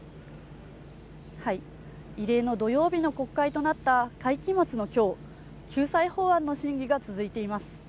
異例の土曜日の国会となった会期末のきょう救済法案の審議が続いています